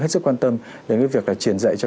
hết sức quan tâm đến cái việc là truyền dạy cho